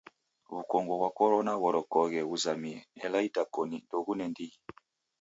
W'ukongo ghwa korona ghorekoghe ghuzamie ela idakoni ndoghune ndighi.